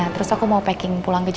terus aku mau packing pulang ke jakarta